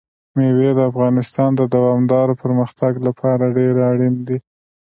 مېوې د افغانستان د دوامداره پرمختګ لپاره ډېر اړین دي.